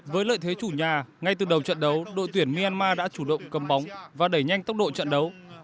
với lợi thế chủ nhà ngay từ đầu trận đấu đội tuyển myanmar đã chủ động cầm bóng và đẩy nhanh tốc độ trận đấu